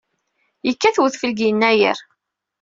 Yekkat wedfel deg yennayer.